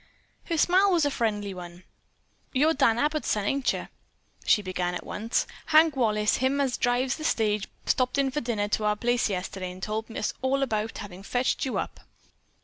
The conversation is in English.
Her smile was a friendly one. "You're Dan Abbott's son, ain't you?" she began at once. "Hank Wallace, him as drives the stage, stopped in for dinner to our place yesterday and he told us all about having fetched you up.